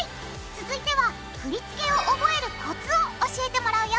続いては振り付けを覚えるコツを教えてもらうよ！